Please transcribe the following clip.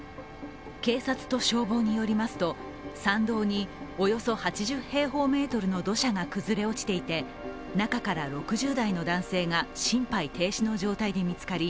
警察と消防によりますと山道におよそ８０平方メートルの土砂が崩れ落ちていて中から６０代の男性が心肺停止の状態で見つかり